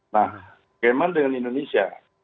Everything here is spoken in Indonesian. nah bagaimana dengan indonesia